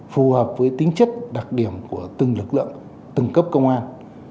phù hợp với tính chất đặc điểm của từng lực lượng từng cấp công an